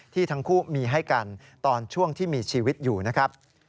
ที่ทั้งคู่มีให้กันตอนช่วงที่มีชีวิตอยู่นะครับ